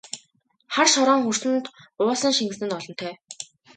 Хар шороон хөрсөнд уусан шингэсэн нь олонтой!